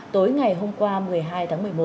tối ngày hôm qua một mươi hai tháng một mươi một